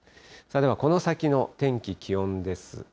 では、この先の天気、気温です。